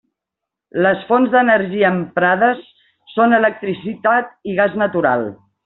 Les fonts d'energia emprades són electricitat i gas natural.